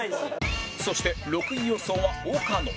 そして６位予想は岡野